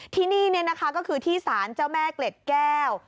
ที่นี่นะคะก็คือที่สารเจ้าแม่เกล็ดแก้ว